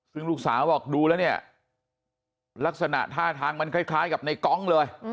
ซึ่งลูกสาวบอกดูแล้วเนี่ยลักษณะท่าทางมันคล้ายกับในกองเลย